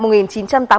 quê tại tỉnh con giang